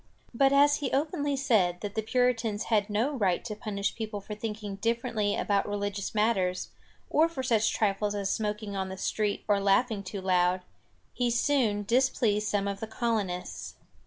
But as he openly said that the Puritans had no right to punish people for thinking differently about religious matters, or for such trifles as smoking on the street or laughing too loud, he soon displeased some of the colonists.